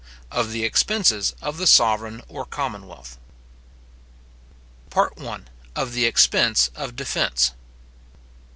OF THE EXPENSES OF THE SOVEREIGN OR COMMONWEALTH. PART I. Of the Expense of Defence.